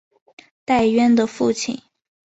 戴渊的父亲。